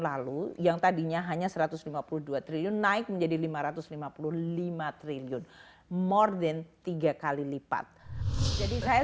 lalu yang tadinya hanya satu ratus lima puluh dua triliun naik menjadi lima ratus lima puluh lima triliun more thin tiga kali lipat jadi saya